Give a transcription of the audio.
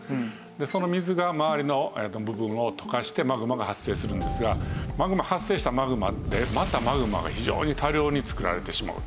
その水が周りの部分を溶かしてマグマが発生するんですが発生したマグマでまたマグマが非常に大量に作られてしまうと。